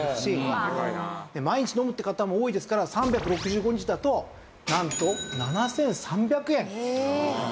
毎日飲むって方も多いですから３６５日だとなんと７３００円１年で変わってくる。